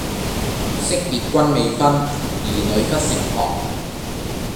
昔別君未婚，兒女忽成行。